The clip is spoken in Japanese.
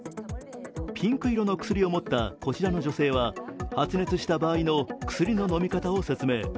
ピンク色の薬を持ったこちらの女性は発熱した場合の薬の飲み方を説明。